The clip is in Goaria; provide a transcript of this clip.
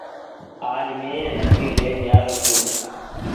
آج مينٚ لهڪڙي لين جآرو ڇوٚنٚ